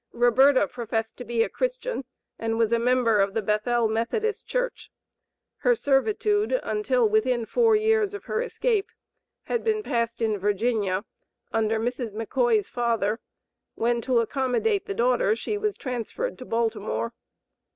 Roberta professed to be a Christian, and was a member of the Bethel Methodist Church. Her servitude, until within four years of her escape, had been passed in Virginia, under Mrs. McCoy's father, when to accommodate the daughter she was transferred to Baltimore.